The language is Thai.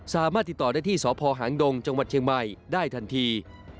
สามารถติดต่อได้ที่สพหางดงจังหวัดเชียงใหม่ได้ทันที